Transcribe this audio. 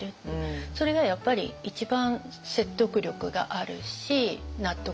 それがやっぱり一番説得力があるし納得性が高い。